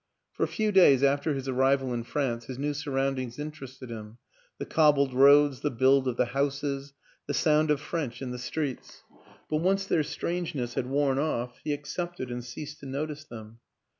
For a few days after his arrival in France his new surroundings interested him the cobbled roads, the build of the houses, the sound of French in the streets; but once their strangeness had worn off he accepted and ceased to notice them.